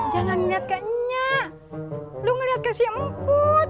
jangan liat ke nyak lo ngeliat ke si meput